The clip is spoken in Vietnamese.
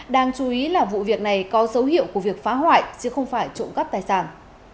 đáng chú ý là vụ việc này có dấu hiệu của việc phá hoại chứ không phải trụng cắp tài sản